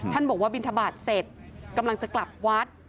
ท่านบอกว่าบินทบาทเสร็จกำลังจะกลับวัด